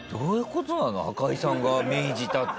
赤井さんが命じたって。